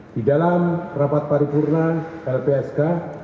di dalam rapat paripurna lpsk